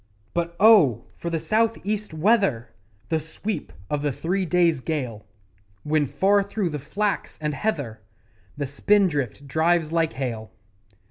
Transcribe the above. But oh! for the South east weather The sweep of the three days' gale When, far through the flax and heather, The spindrift drives like hail.